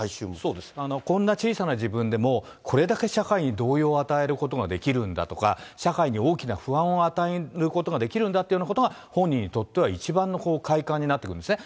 そうです、こんな小さな自分でもこれだけ社会に動揺を与えることができるんだとか、社会に大きな不安を与えることができるんだっていうようなことが、本人にとっては一番の快感になってくるんですね。